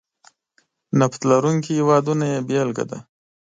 نفت لرونکي هېوادونه یې بېلګه ده.